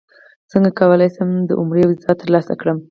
څنګه کولی شم د عمرې ویزه ترلاسه کړم